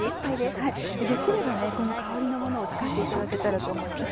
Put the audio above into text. できればこの香りのものを使っていただけたらと思います。